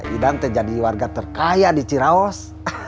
idante jadi warga terkaya di ciraos